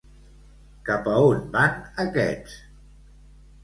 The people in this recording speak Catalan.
Cap a on van aquests?